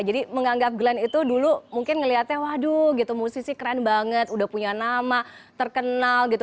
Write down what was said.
jadi menganggap glenn itu dulu mungkin ngelihatnya waduh musisi keren banget udah punya nama terkenal gitu